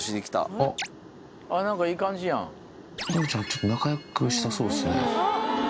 ちょっと仲良くしたそうですね。